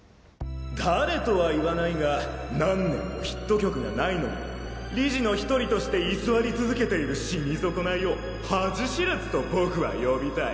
誰とは言わないが何年もヒット曲がないのに理事の１人として居座り続けている死に損ないを恥知らずと僕は呼びたい。